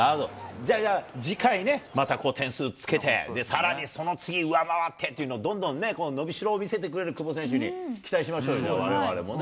じゃあ、次回ね、また点数つけて、さらにその次、上回ってっていうのをどんどんね、伸びしろを見せてくれる久保選手に期待しましょうよ、われわれもね。